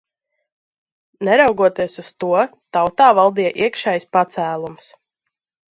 Neraugoties uz to, tautā valdīja iekšējs pacēlums.